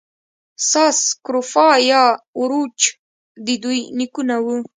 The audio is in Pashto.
ساس سکروفا یا اوروچ د دوی نیکونه وو.